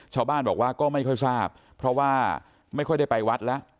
ชาวบ้านบอกว่าก็ไม่ค่อยทราบเพราะว่าไม่ค่อยได้ไปวัดแล้ว